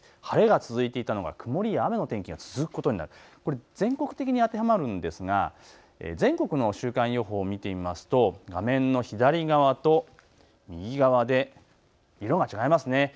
晴れが続いていたのが曇りや雨の天気が続くことになる、全国的に当てはまるんですが全国の週間予報を見てみますと画面の左側と右側で色が違いますね。